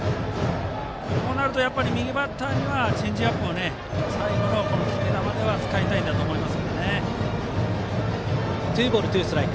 こうなると右バッターにはチェンジアップを最後の決め球で使いたいんだと思います。